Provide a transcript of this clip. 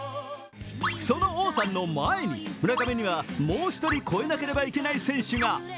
その王さんの前に村上には、もう一人超えなければいけない選手が。